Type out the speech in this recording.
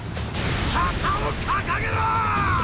旗を掲げろォ！！